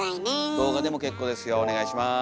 動画でも結構ですよお願いします。